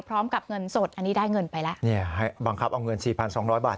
พร้อมกับเงินสดอันนี้ได้เงินไปแล้วเนี่ยให้บังคับเอาเงินสี่พันสองร้อยบาท